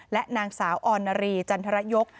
และนางสาวออนนารีจันทรยก